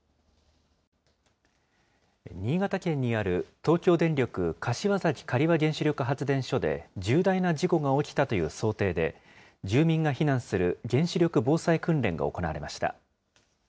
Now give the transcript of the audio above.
東京電力柏崎刈羽原子力発電所で、重大な事故が起きたという想定で、住民が避難する原子力防災訓練が行われました。